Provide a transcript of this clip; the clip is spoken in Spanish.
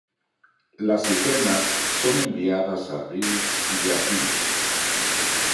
Las escenas son enviadas a Reeves y Phoenix.